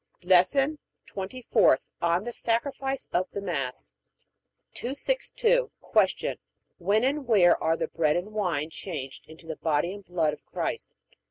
LESSON TWENTY FOURTH ON THE SACRIFICE OF THE MASS 262. Q. When and where are the bread and wine changed into the body and blood of Christ?